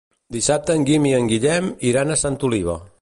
Dissabte en Guim i en Guillem iran a Santa Oliva.